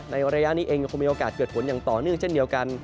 ระยะนี้เองยังคงมีโอกาสเกิดฝนอย่างต่อเนื่องเช่นเดียวกัน